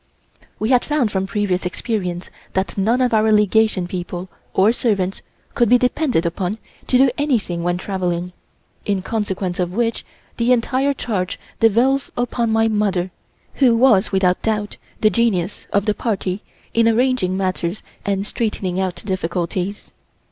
We had found from previous experience that none of our Legation people or servants could be depended upon to do anything when travelling, in consequence of which the entire charge devolved upon my mother, who was without doubt the genius of the party in arranging matters and straightening out difficulties.